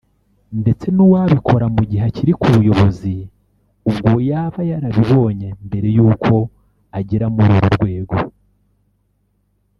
ndetse n’uwabikora mu gihe akiri ku buyobozi ubwo yaba yarayibonye mbere y’uko agera muri uru rwego